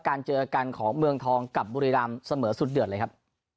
เจอกันของเมืองทองกับบุรีรำเสมอสุดเดือดเลยครับ